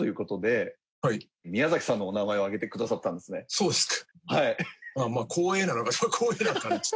そうですか。